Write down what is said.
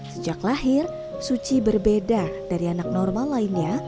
sejak lahir suci berbeda dari anak normal lainnya